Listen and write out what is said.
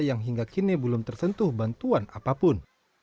yang hingga kini belum tersentuh bantuan apapun